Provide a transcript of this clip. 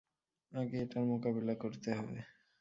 আগে এটার মোকাবেলা করতে হবে।